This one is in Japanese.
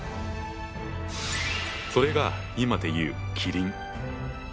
それが今で言うキリン。